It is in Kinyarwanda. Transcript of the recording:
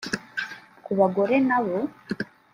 Ku bagore nabo